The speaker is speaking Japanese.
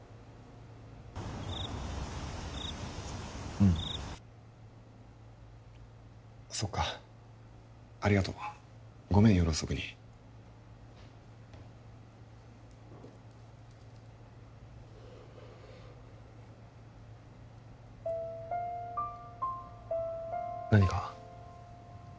うんそっかありがとうごめん夜遅くに何か？